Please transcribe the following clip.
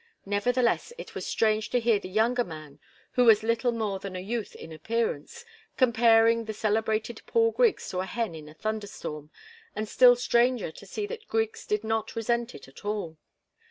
Nevertheless, it was strange to hear the younger man, who was little more than a youth in appearance, comparing the celebrated Paul Griggs to a hen in a thunder storm, and still stranger to see that Griggs did not resent it at all.